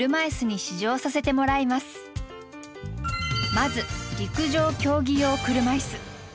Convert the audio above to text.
まず陸上競技用車いす。